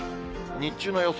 日中の予想